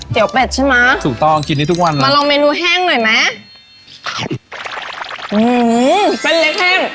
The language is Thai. เต๋วเป็ดใช่ไหมถูกต้องกินให้ทุกวันมาลองเมนูแห้งหน่อยมา